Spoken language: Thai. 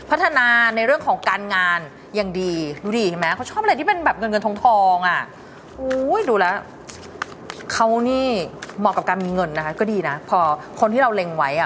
เราเป็นไงคะสบายในอนาคตเนาะ